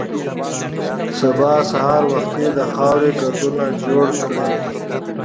سبا سهار وختي د خاورو ګردونه جوړ کړي.